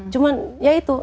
cuman ya itu